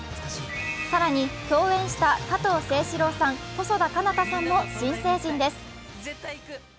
更に、共演した加藤清史郎さん、細田佳央太さんも新成人です。